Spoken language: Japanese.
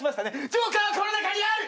ジョーカーはこの中にある！